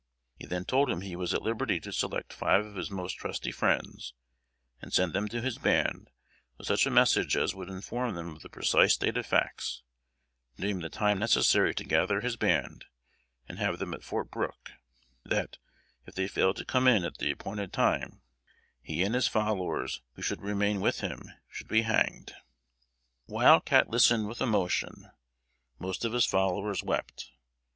He then told him he was at liberty to select five of his most trusty friends, and send them to his band with such a message as would inform them of the precise state of facts, to name the time necessary to gather his band, and have them at Fort Brooke; that, if they failed to come in at the appointed time, he and his followers, who should remain with him, should be hanged. Wild Cat listened with emotion; most of his followers wept.